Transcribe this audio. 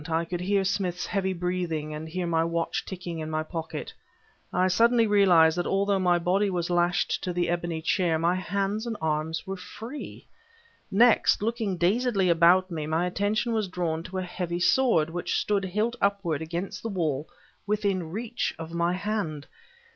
I could hear Smith's heavy breathing and hear my watch ticking in my pocket. I suddenly realized that although my body was lashed to the ebony chair, my hands and arms were free. Next, looking dazedly about me, my attention was drawn to a heavy sword which stood hilt upward against the wall within reach of my hand.